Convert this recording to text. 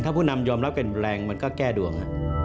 ถ้าผู้นำยอมรับการเปลี่ยนแปลงมันก็แก้ด่วง